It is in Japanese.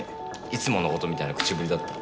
いつもの事みたいな口ぶりだった。